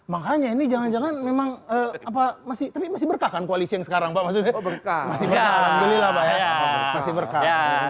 makanya ini jangan jangan memang apa masih masih berkakan koalisi yang sekarang berkah